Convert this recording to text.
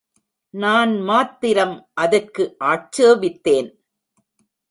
நான் மாத்திரம் அதற்கு ஆட்சேபித்தேன்.